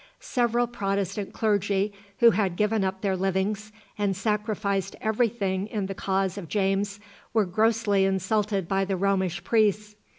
Several Protestant clergy who had given up their livings, and sacrificed every thing in the cause of James, were grossly insulted by the Romish priests.